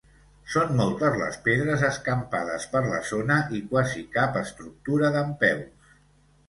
Són moltes les pedres escampades per la zona i quasi cap estructura dempeus.